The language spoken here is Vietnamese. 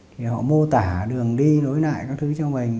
thì họ mô tả đường đi đối lại các thứ cho mình